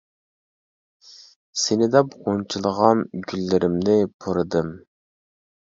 سېنى دەپ غۇنچىلىغان ، گۈللىرىمنى پۇرىدىم .